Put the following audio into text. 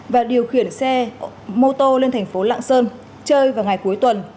và điều khiển xe mô tô lên thành phố lạng sơn chơi vào ngày cuối tuần